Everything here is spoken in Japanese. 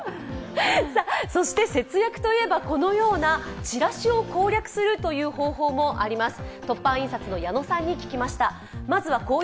そして節約といえば、このようなチラシを攻略する方法もあります。